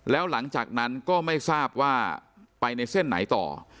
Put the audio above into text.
แล้วหลังจากนั้นก็ไม่ทราบว่าไปในเส้นไหนต่อ